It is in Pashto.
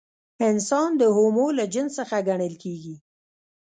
انسان د هومو له جنس څخه ګڼل کېږي.